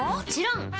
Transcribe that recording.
ん？